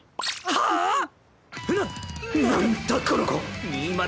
なんだこの子